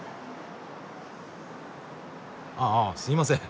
ああすいません。